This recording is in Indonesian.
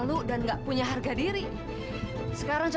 udah gak usah cari buka basi